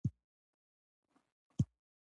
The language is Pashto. زمونږ کور په شیخ ابدال کې ده، ته چېرې اوسیږې؟